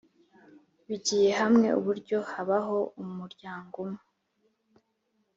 Bigiye hamwe uburyo habaho umuryango umwe